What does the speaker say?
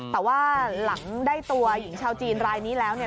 แต่ว่าหลังได้ตัวหญิงชาวจีนรายนี้แล้วเนี่ย